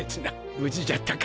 無事じゃったか！